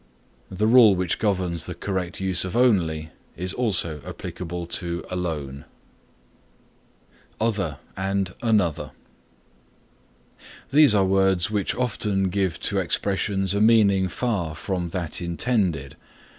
The rule which governs the correct use of only is also applicable to alone. OTHER AND ANOTHER These are words which often give to expressions a meaning far from that intended.